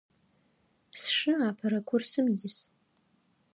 Сшы апэрэ курсым ис.